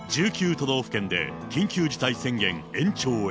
都道府県で緊急事態宣言延長へ。